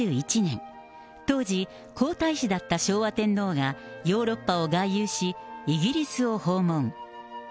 当時、皇太子だった昭和天皇がヨーロッパを外遊し、イギリスを訪問。